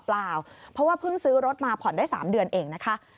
เปล่าเพราะว่าเพิ่งซื้อรถมาผ่อนได้๓เดือนเองนะคะ